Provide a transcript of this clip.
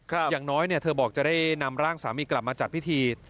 อย่างน้อยเนี่ยเธอบอกจะได้นำร่างสามีกลับมาจัดพิธี